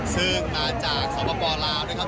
ซึ่งมาจากสำประป๋อราวนะครับ